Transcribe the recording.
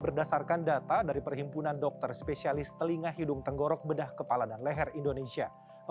berdasarkan data dari perhimpunan dokter spesialis telinga hidung tenggorok bedah kepala dan leher indonesia